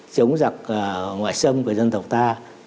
chống giặc ngoại sâm của dân tộc ta